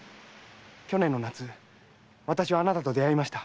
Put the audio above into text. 去年の夏私はあなたと出会いました。